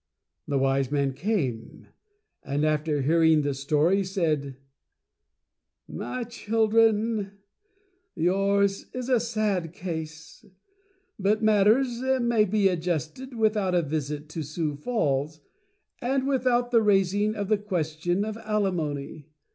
THE WISE MAN CALLED IN. The Wise Man eame, and after hearing the story said: "My children, yours is a sad case, but matters may be adjusted without a visit to Sioux Falls, and without the raising of the question of Alimony.